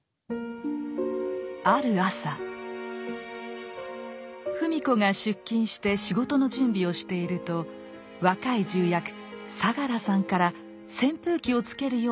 ある朝芙美子が出勤して仕事の準備をしていると若い重役相良さんから扇風機をつけるよう頼まれました。